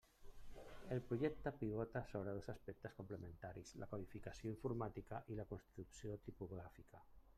El projecte pivota sobre dos aspectes complementaris: la codificació informàtica i la construcció tipogràfica.